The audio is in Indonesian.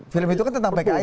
film itu kan tentang pks